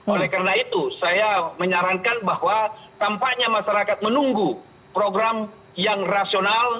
oleh karena itu saya menyarankan bahwa tampaknya masyarakat menunggu program yang rasional